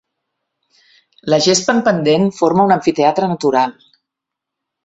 La gespa en pendent forma un amfiteatre natural.